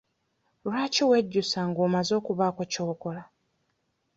Lwaki wejjusa nga omaze okubaako ky'okola?